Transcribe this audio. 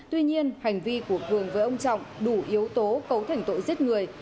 tuy nhiên hành vi của cường với ông trọng đủ yếu tố cấu thành tội giết người